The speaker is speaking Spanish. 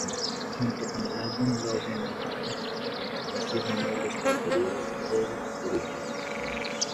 Junto con el álbum Love Metal, este es uno de los preferidos del grupo.